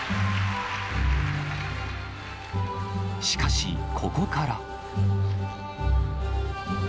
しかし、ここから。